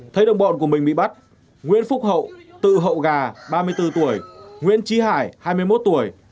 thấy đồng bọn của mình bị bắt nguyễn phúc hậu tự hậu gà ba mươi bốn tuổi nguyễn trí hải hai mươi một tuổi